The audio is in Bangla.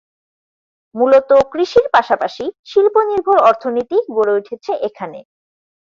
মূলত কৃষির পাশাপাশি শিল্প নির্ভর অর্থনীতি গড়ে উঠেছে এখানে।